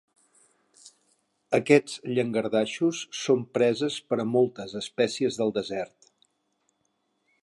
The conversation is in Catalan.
Aquests llangardaixos són preses per a moltes espècies del desert.